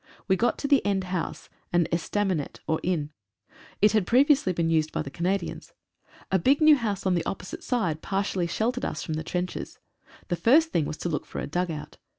We got the end house, an estaminet, or inn. It had previously been used by the Canadians. A big new house on the opposite side par 60 YPRES, THE KEY OF CALAIS. tially sheltered us from the trenches. The first thing was to look for a dug out.